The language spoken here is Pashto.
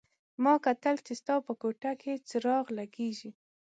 ما کتل چې ستا په کومه کوټه کې څراغ لګېږي.